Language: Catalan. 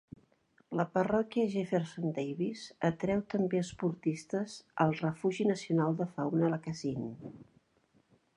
La parròquia Jefferson Davis atreu també esportistes al Refugi Nacional de Fauna Lacassine.